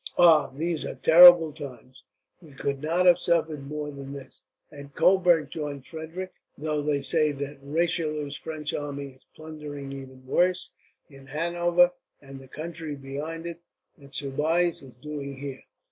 "Ah, these are terrible times! We could not have suffered more than this, had Coburg joined Frederick; though they say that Richelieu's French army is plundering even worse, in Hanover and the country beyond it, than Soubise is doing here.